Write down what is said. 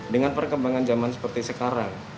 dengan perkembangan zaman seperti sekarang